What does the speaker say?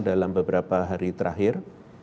dalam beberapa hari terakhir